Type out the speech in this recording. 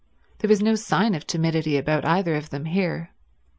There was no sign of timidity about either of them here.